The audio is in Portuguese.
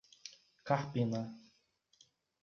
Carpina